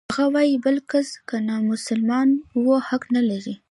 هغه وايي بل کس که نامسلمان و حق نلري.